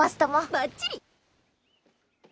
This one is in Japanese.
ばっちり！